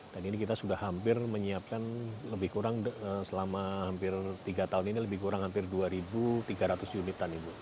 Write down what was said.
dan ini kita sudah hampir menyiapkan lebih kurang selama hampir tiga tahun ini lebih kurang hampir dua tiga ratus unitan ibu